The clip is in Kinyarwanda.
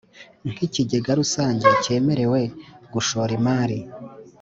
nk ikigega rusange cyemerewe gushora imari